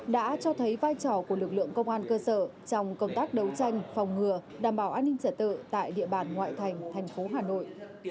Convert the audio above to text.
đã cho thấy vai trò của lực lượng công an cơ sở trong công tác đấu tranh phòng ngừa đảm bảo an ninh trả tự tại địa bàn ngoại thành thành phố hà nội